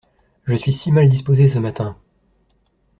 Je suis si mal disposée ce matin !